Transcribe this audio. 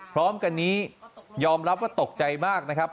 พร้อมกันนี้ยอมรับว่าตกใจมากนะครับ